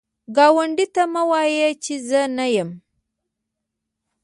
ګاونډي ته مه وایی چې زه نه یم